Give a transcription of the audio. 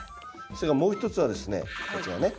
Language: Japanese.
それからもう一つはですねこちらね。